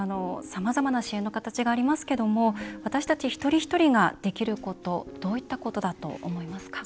さまざまな支援の形がありますけども私たち一人一人ができることどういったことだと思いますか？